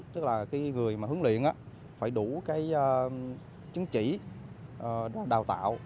tức là người hướng luyện phải đủ chứng chỉ đào tạo